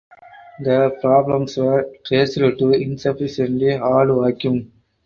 The problems were traced to insufficiently hard vacuum.